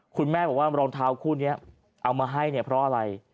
คุณแม่บอกว่ารองเท้าคู่นี้เอามาให้เนี่ยเพราะอะไร